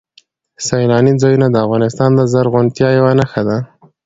سیلاني ځایونه د افغانستان د زرغونتیا یوه نښه ده.